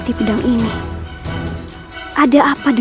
tidak pernah menghrunta cerita tadi